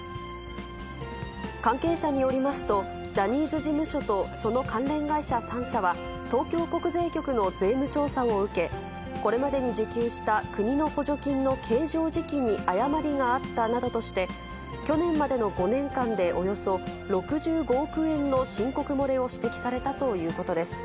関係者によりますと、ジャニーズ事務所とその関連会社３社は、東京国税局の税務調査を受け、これまでに受給した国の補助金の計上時期に誤りがあったなどとして、去年までの５年間でおよそ６５億円の申告漏れを指摘されたということです。